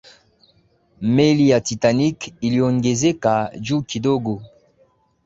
meli ya titanic iliongezeka juu kidogo